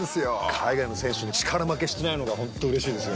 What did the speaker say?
海外の選手に力負けしてないのが本当うれしいですよね。